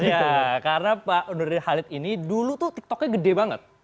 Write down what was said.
ya karena pak nurdin halid ini dulu tuh tiktoknya gede banget